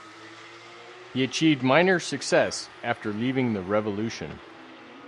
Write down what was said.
He achieved minor success after leaving The Revolution.